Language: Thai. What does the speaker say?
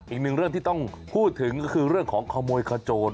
อีกหนึ่งเรื่องที่ต้องพูดถึงก็คือเรื่องของขโมยขโจร